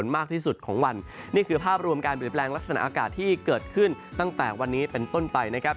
มากที่สุดของวันนี่คือภาพรวมการเปลี่ยนแปลงลักษณะอากาศที่เกิดขึ้นตั้งแต่วันนี้เป็นต้นไปนะครับ